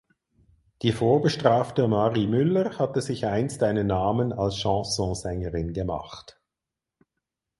Die vorbestrafte Marie Müller hatte sich einst einen Namen als Chansonsängerin gemacht.